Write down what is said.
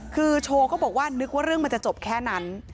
คือโชว์เขาบอกว่านึกว่าเรื่องมันจะจบแค่นั้น